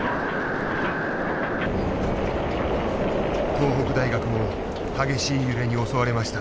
東北大学も激しい揺れに襲われました。